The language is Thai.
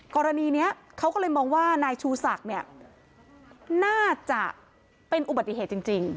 กรณีนี้เขาก็เลยมองว่านายชูศักดิ์เนี่ยน่าจะเป็นอุบัติเหตุจริง